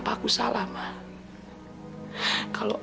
jangan letak lemah